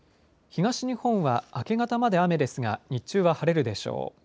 東日本は明け方まで雨ですが日中は晴れるでしょう。